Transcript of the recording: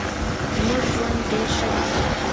زمونږ ژوند ډیر ښه دې